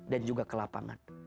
dan juga ke lapangan